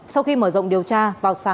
sau khi mở rộng điều tra vào sáng